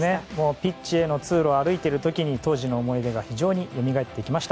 ピッチへの通路を歩いている時に当時の思い出が非常によみがえってきました。